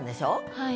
はい。